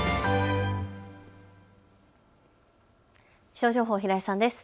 気象情報、平井さんです。